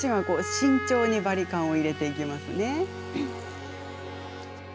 慎重にバリカンを入れていきます。